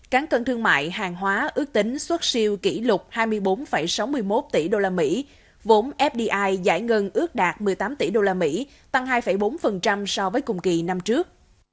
cán cân thương mại hàng hóa ước tính xuất siêu kỷ lục hai mươi bốn sáu mươi một tỷ usd vốn fdi giải ngân ước đạt một mươi tám tỷ usd tăng hai bốn so với cùng kỳ năm trước